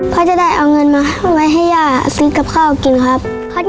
เพราะจะได้เอาเงินมาไว้ให้ย่าซื้อกับข้าวกินครับ